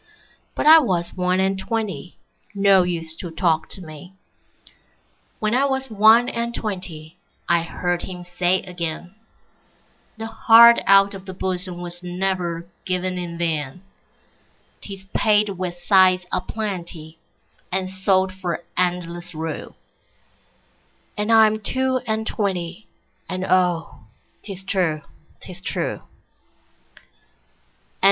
'But I was one and twenty, No use to talk to me. When I was one and twentyI heard him say again,'The heart out of the bosomWas never given in vain;'Tis paid with sighs a plentyAnd sold for endless rue.'And I am two and twenty, And oh, 'tis true, 'tis true.